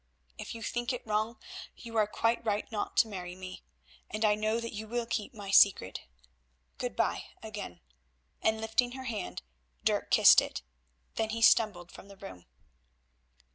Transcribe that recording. If you think it wrong you are quite right not to marry me, and I know that you will keep my secret. Good bye, again," and lifting her hand Dirk kissed it. Then he stumbled from the room.